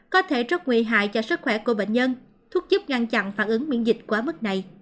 có thể rất nguy hại cho sức khỏe của bệnh nhân thuốc giúp ngăn chặn phản ứng miễn dịch quá mức này